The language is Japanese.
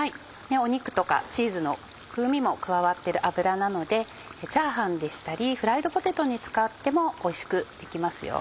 肉とかチーズの風味も加わってる油なのでチャーハンでしたりフライドポテトに使ってもおいしくできますよ。